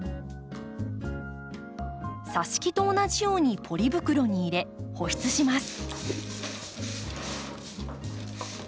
さし木と同じようにポリ袋に入れ保湿します。